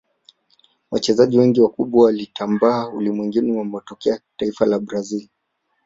wachezaji wengi wakubwa waliotamba ulimwenguni wametokea taifa la brazil